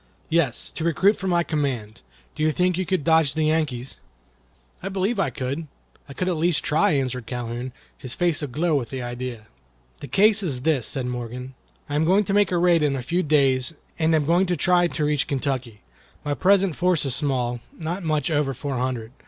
"Yes, to recruit for my command. Do you think you could dodge the Yankees?" "I believe I could. I could at least try," answered Calhoun, his face aglow with the idea. "The case is this," said Morgan: "I am going to make a raid in a few days, and am going to try to reach Kentucky. My present force is small—not much over four hundred.